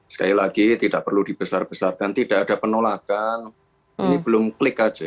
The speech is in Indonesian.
sekali lagi tidak perlu dibesar besarkan tidak ada penolakan ini belum klik saja